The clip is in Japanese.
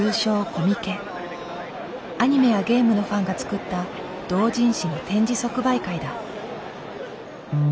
アニメやゲームのファンが作った同人誌の展示即売会だ。